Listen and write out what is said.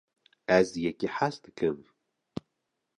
ez yekî hez dikim